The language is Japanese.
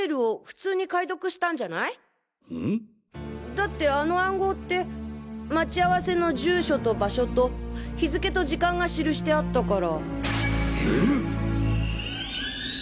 だってあの暗号って待ち合わせの住所と場所と日付と時間が記してあったから。